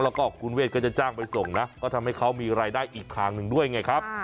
แล้วก็คุณเวทก็จะจ้างไปส่งนะก็ทำให้เขามีรายได้อีกทางหนึ่งด้วยไงครับ